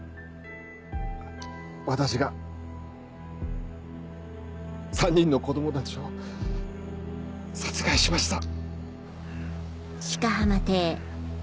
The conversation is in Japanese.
私が３人の子供たちを殺害しました。